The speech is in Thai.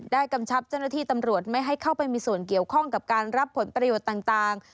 กำชับเจ้าหน้าที่ตำรวจไม่ให้เข้าไปมีส่วนเกี่ยวข้องกับการรับผลประโยชน์ต่าง